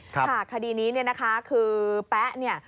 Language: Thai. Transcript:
ค่ะคดีนี้นะคะคือแป๊ะเนี่ย